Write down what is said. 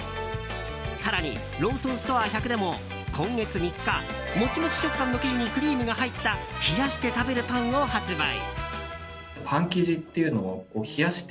更に、ローソンストア１００でも今月３日モチモチ食感の生地にクリームが入った冷やして食べるパンを発売。